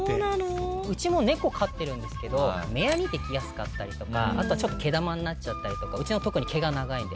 うちも猫飼ってるんですけど目やにできやすかったりとかあとはちょっと毛玉になっちゃったりとかうちの特に毛が長いんで。